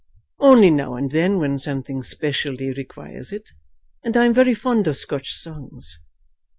"Only now and then when something specially requires it. And I am very fond of Scotch songs.